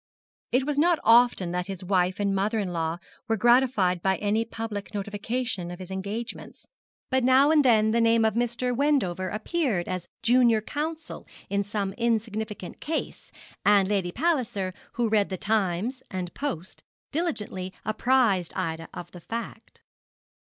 It was not often that his wife and mother in law were gratified by any public notification of his engagements; but now and then the name of Mr. Wendover appeared as junior counsel in some insignificant case, and Lady Palliser, who read the Times and Post, diligently apprised Ida of the fact.